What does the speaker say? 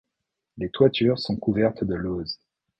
Les toitures sont couvertes de lauzes.